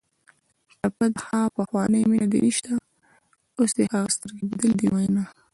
ټپه ده: ها پخوانۍ مینه دې نشته اوس دې هغه سترګې بدلې دي مینه